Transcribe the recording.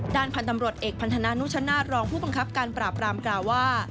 ด้านพันธ์ตำรวจเอกพันธนานุชนาศรองผู้บังคับการปราบรามกล่าวว่า